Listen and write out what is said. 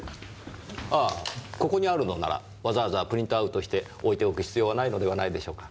ああここにあるのならわざわざプリントアウトして置いておく必要はないのではないでしょうか。